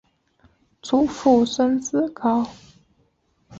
祖父孙子高。